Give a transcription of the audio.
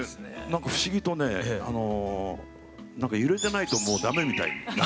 何か不思議とね揺れてないとダメみたい。